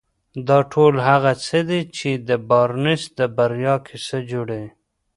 دا ټول هغه څه دي چې د بارنس د بريا کيسه جوړوي.